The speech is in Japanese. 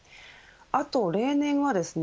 あと、例年はですね